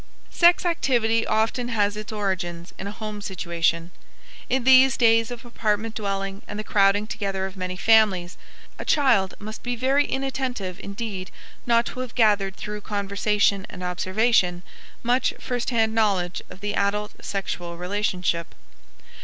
Sex activity often has its origin in a home situation. In these days of apartment dwelling and the crowding together of many families, a child must be very inattentive indeed not to have gathered through conversation and observation much firsthand knowledge of the adult sexual relationship.